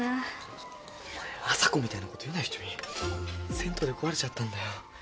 銭湯で壊れちゃったんだよ。